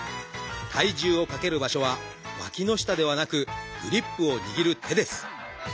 体重をかける場所はわきの下ではなくグリップを握る手です。